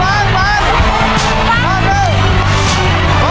เพราะคำถามสำหรับเรื่องนี้คือ